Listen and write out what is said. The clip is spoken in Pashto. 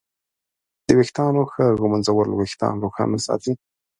د ویښتانو ښه ږمنځول وېښتان روښانه ساتي.